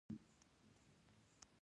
آیا شین سپین او سور نه دي؟